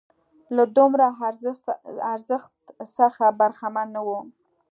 له دومره ارزښت څخه برخمن نه وو.